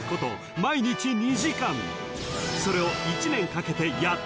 ［それを］